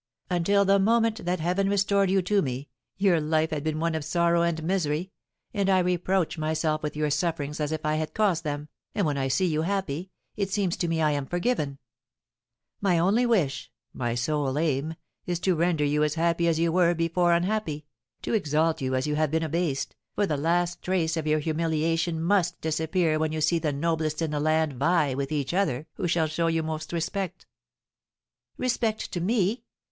"Until the moment that Heaven restored you to me, your life had been one of sorrow and misery, and I reproach myself with your sufferings as if I had caused them, and when I see you happy, it seems to me I am forgiven. My only wish, my sole aim, is to render you as happy as you were before unhappy, to exalt you as you have been abased, for the last trace of your humiliation must disappear when you see the noblest in the land vie with each other who shall show you most respect." "Respect to me!